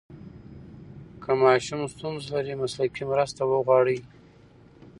که ماشوم ستونزه لري، مسلکي مرسته وغواړئ.